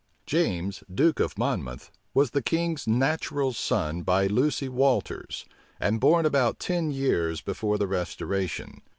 James, duke of Monmouth, was the king's natural son by Lucy Walters, and born about ten years before the restoration.